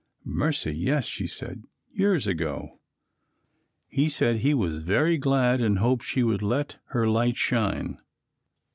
"Mercy yes," she said, "years ago." He said he was very glad and hoped she would let her light shine.